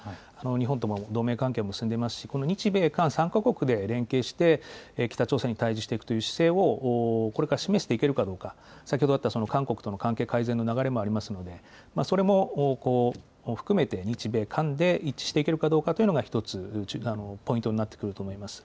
日本とも同盟関係を結んでいますし、この日米韓３か国で連携して、北朝鮮に対じしていくという姿勢をこれから示していけるどうか、先ほどあった韓国との関係改善の流れもありますので、それも含めて、日米韓で一致していけるかどうかというのが、一つ、ポイントになってくると思います。